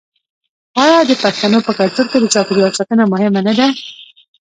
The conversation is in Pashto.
آیا د پښتنو په کلتور کې د چاپیریال ساتنه مهمه نه ده؟